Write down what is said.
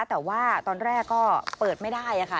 แต่ว่าตอนแรกก็เปิดไม่ได้ค่ะ